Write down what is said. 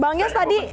bang yos tadi